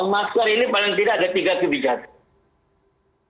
masker ini paling tidak ada tiga kebijakan